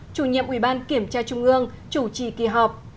chủ nhiệm ủy ban kiểm tra trung ương chủ trì kỳ họp